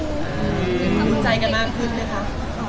รู้หนึ่งใจกันมากขึ้นเลยค่ะ